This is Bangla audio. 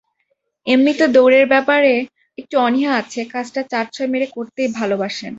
এমনিতে দৌড়ের ব্যাপারে একটু অনীহা আছে, কাজটা চার-ছয় মেরে করতেই ভালোবাসেন।